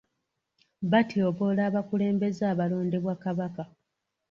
Batyoboola abakulembeze abalondebwa Kabaka.